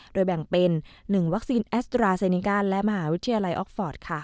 โดยแบ่งเป็น๑วัคซีนแอสตราเซนิกาและมหาวิทยาลัยออกฟอร์ต